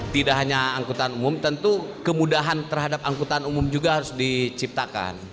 tidak hanya angkutan umum tentu kemudahan terhadap angkutan umum juga harus diciptakan